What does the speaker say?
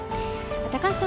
高橋さん